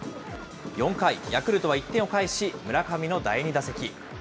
４回、ヤクルトは１点を返し、村上の第２打席。